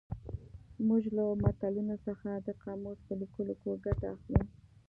موږ له متلونو څخه د قاموس په لیکلو کې ګټه اخلو